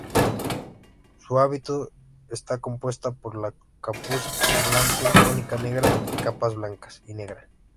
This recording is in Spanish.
Su hábito está compuesto por capuz blanco, túnica negra y capa blanca y negra.